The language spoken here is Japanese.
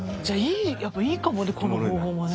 いやっぱいいかもねこの方法もね。